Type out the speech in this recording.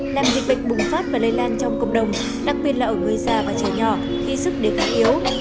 làm dịch bệnh bùng phát và lây lan trong cộng đồng đặc biệt là ở người già và trẻ nhỏ khi sức đề kháng yếu